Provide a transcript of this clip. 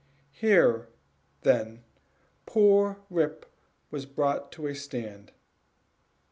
Here, then, poor Rip was brought to a stand.